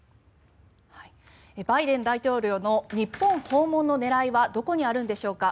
バイデン大統領の日本訪問の狙いはどこにあるのでしょうか。